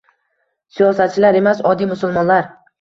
Siyosatchilar emas – oddiy musulmonlar